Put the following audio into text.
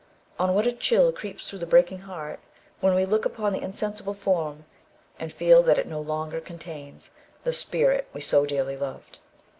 Oh what a chill creeps through the breaking heart when we look upon the insensible form, and feel that it no longer contains the spirit we so dearly loved!